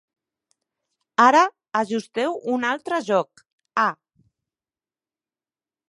Ara ajusteu un altre joc, "A".